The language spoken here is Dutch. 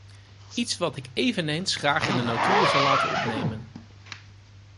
Iets wat ik eveneens graag in de notulen zal laten opnemen...